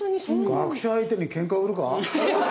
学者相手にケンカ売るか？